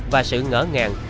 và sự ngỡ ngàng